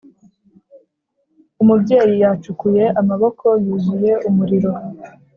umubyeyi yacukuye, amaboko yuzuye umuriro.